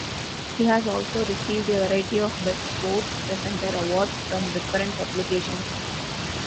He has also received a variety of best sports presenter awards from different publications.